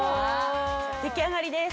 出来上がりです。